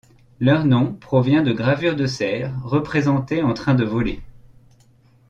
Leur nom provient de leurs gravures de cerfs représentés en train de voler.